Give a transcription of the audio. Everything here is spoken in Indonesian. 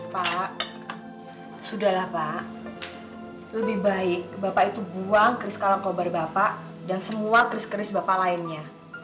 pak sudah lah pak lebih baik bapak itu buang keris kalang kol bar bapak dan semua keris keris bapak lainnya